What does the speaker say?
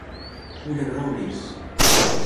Vull anar a Orís